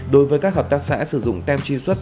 đối với các hợp tác xã sử dụng tem truy xuất